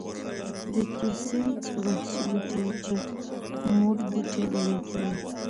د تیوسینټ وحشي بوټی چې مور بوټی بلل کېږي.